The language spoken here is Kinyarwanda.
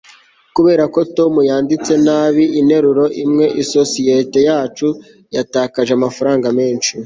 kubera ko tom yanditse nabi interuro imwe, isosiyete yacu yatakaje amafaranga menshi